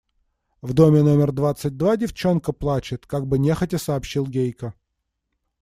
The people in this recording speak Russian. В доме номер двадцать два девчонка плачет, – как бы нехотя сообщил Гейка.